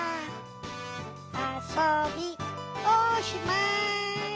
あそびおしまい。